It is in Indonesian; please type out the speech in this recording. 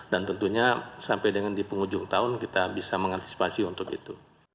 dan tentunya sampai dengan di penghujung tahun kita bisa mengantisipasi untuk itu